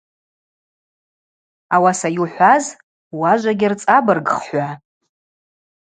Ауаса йухӏваз уажвагьи рцӏабыргх – хӏва.